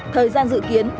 thời gian dự kiến